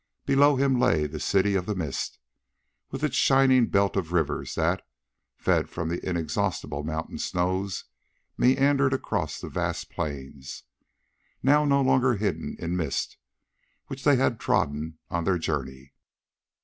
Below him lay the City of the Mist, with its shining belt of rivers that, fed from the inexhaustible mountain snows, meandered across the vast plains—now no longer hidden in mist—which they had trodden on their journey.